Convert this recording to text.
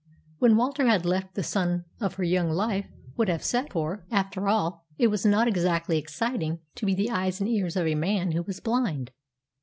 When Walter had left, the sun of her young life would have set, for after all it was not exactly exciting to be the eyes and ears of a man who was blind.